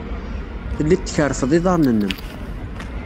Tellid tkerrfed iḍarren-nnem.